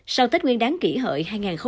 sau tết nguyên đáng kỷ hợi hai nghìn một mươi chín